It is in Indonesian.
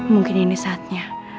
mungkin ini saatnya